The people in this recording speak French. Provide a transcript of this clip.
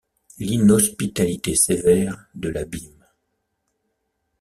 L’inhospitalité sévère de l’abîme.